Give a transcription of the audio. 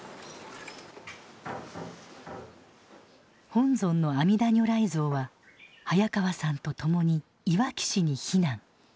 本尊の阿弥陀如来像は早川さんと共にいわき市に避難。